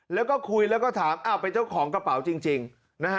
แล้วก็คุยแล้วก็ถามอ้าวเป็นเจ้าของกระเป๋าจริงนะฮะ